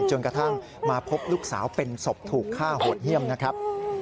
จนกระทั่งมาพบลูกสาวเป็นศพถูกฆ่าโหดเยี่ยมนะครับ